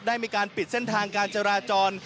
ได้มีการปิดเส้นทางการจราจร